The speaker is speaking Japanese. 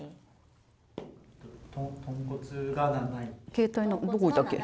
携帯どこ置いたっけ？